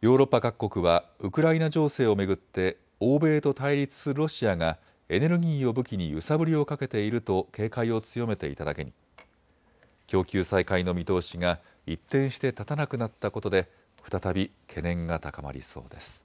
ヨーロッパ各国はウクライナ情勢を巡って欧米と対立するロシアがエネルギーを武器に揺さぶりをかけていると警戒を強めていただけに供給再開の見通しが一転して立たなくなったことで再び懸念が高まりそうです。